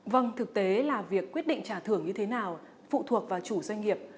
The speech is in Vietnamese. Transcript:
vâng thực tế là việc quyết định trả thưởng như thế nào phụ thuộc vào chủ doanh nghiệp